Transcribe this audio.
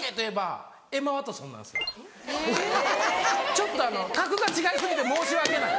ちょっと格が違い過ぎて申し訳ない。